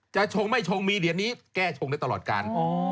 ชงไม่ชงมีเหรียญนี้แก้ชงได้ตลอดการ